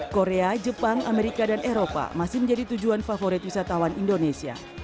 korea jepang amerika dan eropa masih menjadi tujuan favorit wisatawan indonesia